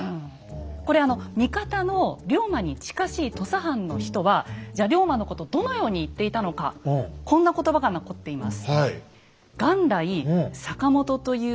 これあの味方の龍馬に近しい土佐藩の人はじゃ龍馬のことをどのように言っていたのかこんな言葉が残っています。